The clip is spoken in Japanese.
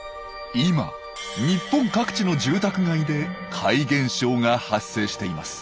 今日本各地の住宅街で怪現象が発生しています。